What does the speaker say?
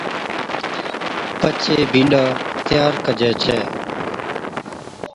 پڇي بِينڏا تيار ڪَجي ڇَي